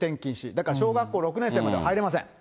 だから小学校６年生までは入れません。